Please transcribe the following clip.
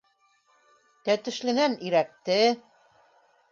Тәтешленән - ирәкте;